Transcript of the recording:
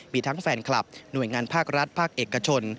มีทั้งแฟนคลับหน่วยงานภาครัฐภาคเอกชน